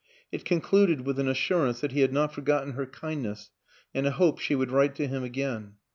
It concluded with an assurance that he had not forgotten her kindness and a hope she would write to him again